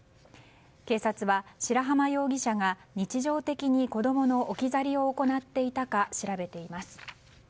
警察は、白濱容疑者が日常的に子供の置き去りを行っていたか調べています。